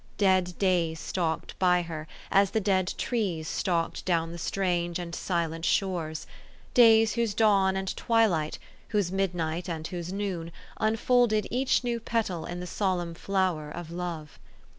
Dead days stalked by her, as the dead trees stalked down the strange and silent shores, days whose dawn and twilight, whose midnight and whose noon, unfolded each a new petal in the solemn flower of love.